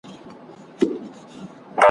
څه کورونه به ورانیږي او لوټیږي ,